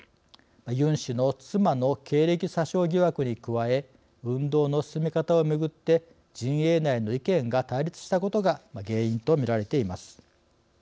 ユン氏の妻の経歴詐称疑惑に加え運動の進め方をめぐって陣営内の意見が対立したことが原因とみられています。